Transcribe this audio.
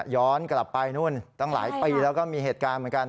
ย้อนกลับไปนู่นตั้งหลายปีแล้วก็มีเหตุการณ์เหมือนกัน